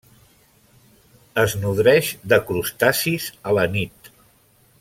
Es nodreix de crustacis a la nit.